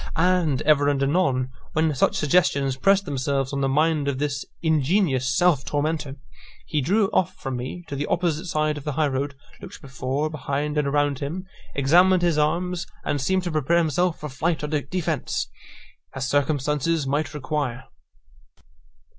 And ever and anon, when such suggestions pressed themselves on the mind of this ingenious self tormentor, he drew off from me to the opposite side of the high road, looked before, behind, and around him, examined his arms, and seemed to prepare himself for flight or defence, as circumstances might require.